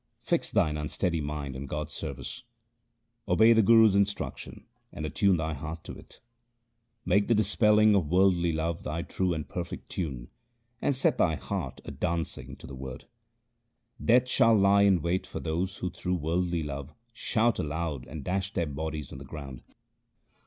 Fix thine unsteady mind on God's service ; Obey the Guru's instruction, and attune thy heart to it ; Make the dispelling of worldly love, thy true and perfect tune, and set thy heart a dancing to the Word. Death shall lie in wait for those who through worldly love Shout aloud and dash their bodies on the ground.